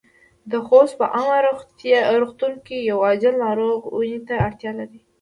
د خوست په عامه روغتون کې يو عاجل ناروغ وينې ته اړتیا لري.